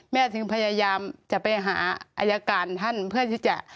ถึงพยายามจะไปหาอายการท่านเพื่อที่จะ